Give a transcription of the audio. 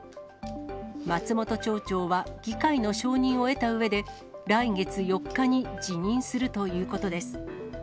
松本町長は議会の承認を得たうえで、来月４日に辞任するということです。